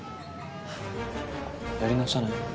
やり直さない？